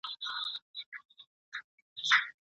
که د بسونو تمځایونه چت ولري، نو خلګ په باران کي نه لندیږي.